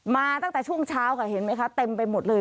มาตั้งแต่ช่วงเช้าค่ะเห็นไหมคะเต็มไปหมดเลย